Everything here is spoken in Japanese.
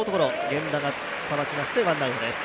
源田がさばきまして、ワンアウトです。